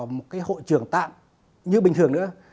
một cái hội trưởng tạm như bình thường nữa